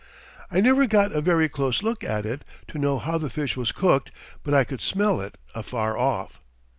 I never got a very close look at it, to know how the fish was cooked, but I could smell it afar off!